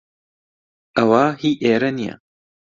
ئەوە هی ئێرە نییە.